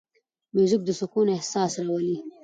موزیک د سکون احساس راولي.